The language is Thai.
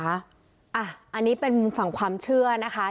อันนี้เป็นฝั่งความเชื่อนะคะ